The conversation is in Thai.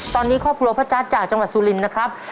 ตอนนี้ข้อพุทธพระอาจารย์จากจังหวัดสุรินนะครับ